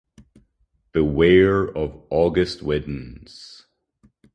Beware of August winds.